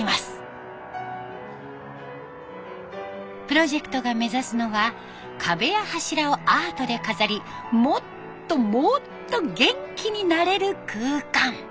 プロジェクトが目指すのは壁や柱をアートで飾りもっともっと元気になれる空間。